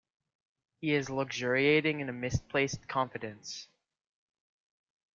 He is luxuriating in a misplaced confidence.